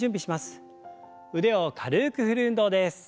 腕を軽く振る運動です。